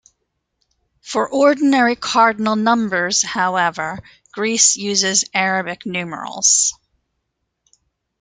For ordinary cardinal numbers, however, Greece uses Arabic numerals.